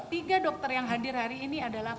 tiga dokter yang hadir hari ini adalah